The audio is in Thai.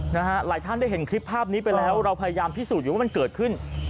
หลายท่านได้เห็นคลิปภาพนี้ไปแล้วเราพยายามพิสูจน์อยู่ว่ามันเกิดขึ้น